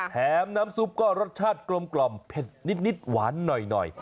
แถมน้ำซุปก็รสชาติกลมเผ็ดนิดหวานหน่อย